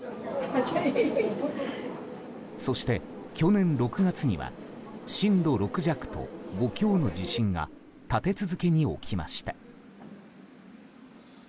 そして、去年６月には震度６弱と５強の地震が立て続けに起きました。